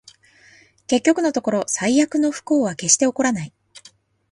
結局のところ、最悪の不幸は決して起こらない